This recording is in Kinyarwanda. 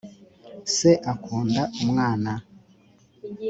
se akunda umwana